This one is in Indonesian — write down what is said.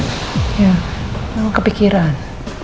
ya kamu kepikiran